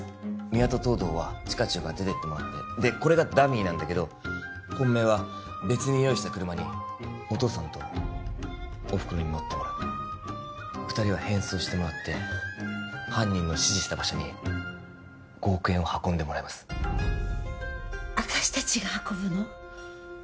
三輪と東堂は地下駐から出ていってもらってでこれがダミーなんだけど本命は別に用意した車にお義父さんとお袋に乗ってもらう二人は変装してもらって犯人の指示した場所に５億円を運んでもらいます私達が運ぶの？